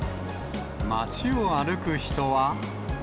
街を歩く人は。